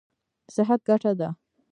صحت ګټه ده.